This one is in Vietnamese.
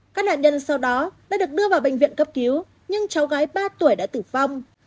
các nạn nhân sau đó đã được đưa vào bệnh viện cấp cứu nhưng cháu gái ba tuổi đã tử vong